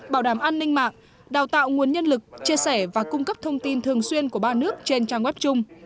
bảo đảm an ninh mạng đào tạo nguồn nhân lực chia sẻ và cung cấp thông tin thường xuyên của ba nước trên trang web chung